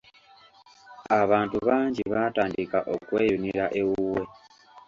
Abantu bangi baatandika okweyunira ewuwe.